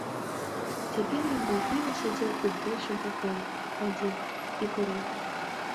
Цяпер ён маўкліва сядзеў у большым пакоі, адзін, і курыў.